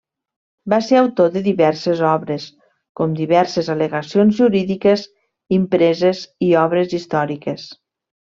Va ser autor de diverses obres, com diverses al·legacions jurídiques impreses i obres històriques.